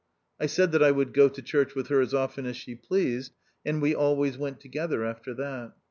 I said that I would go to church with her as often as she pleased, and we always went together after that.